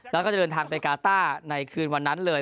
แล้วก็จะเดินทางไปกาต้าในคืนวันนั้นเลย